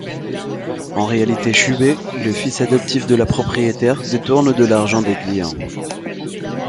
En réalité, Chubei, le fils adoptif de la propriétaire, détourne de l'argent des clients.